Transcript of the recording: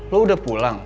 lo udah pulang